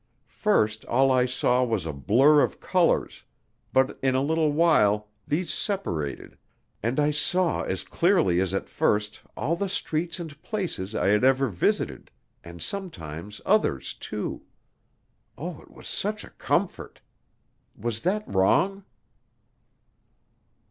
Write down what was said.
First all I saw was a blur of colors, but in a little while these separated and I saw as clearly as at first all the streets and places I had ever visited, and sometimes others too. Oh, it was such a comfort! Was that wrong?"